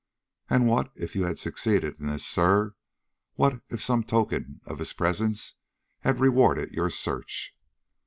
"And what, if you had succeeded in this, sir? What, if some token of his presence had rewarded your search?"